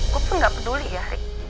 gue tuh gak peduli ya